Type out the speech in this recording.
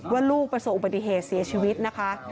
ว่าลูกประสบอุบัติเหตุเสียชีวิตนะคะ